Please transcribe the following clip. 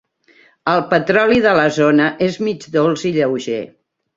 El petroli de la zona és mig dolç i lleuger.